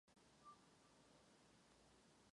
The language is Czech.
Není to jenom otázka práv, ale otázka společného zájmu.